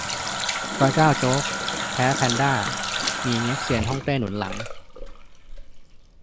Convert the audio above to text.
บร๊ะเจ้าโจ๊ก แพ้ แพนด้า มี เง็กเซียนฮ่องเต้หนุนหลัง